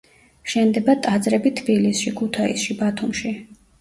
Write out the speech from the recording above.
შენდება ტაძრები თბილისში, ქუთაისში, ბათუმში.